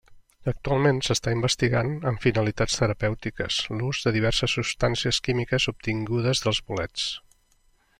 Actualment, s'està investigant amb finalitats terapèutiques l'ús de diverses substàncies químiques obtingudes de bolets.